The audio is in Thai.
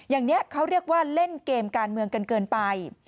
อย่างนี้เขาเรียกว่าเล่นเกมการเมืองกันเกินไป